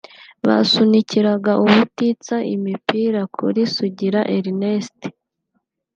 basunikiraga ubutitsa imipira kuri Sugira Ernest